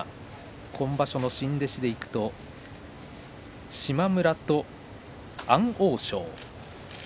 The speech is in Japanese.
今場所の新弟子でいきますと嶋村と安大翔。